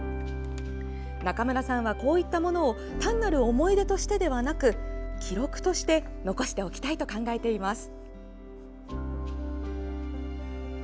中村さんは、こういったものを単なる思い出としてではなく記録として残しておきたいと考えています。